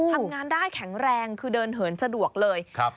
ทำงานได้แข็งแรงคือเดินเหินสะดวกเลยครับ